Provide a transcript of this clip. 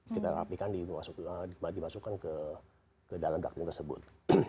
kita rapikan dimasukkan ke dalam ducting tersebut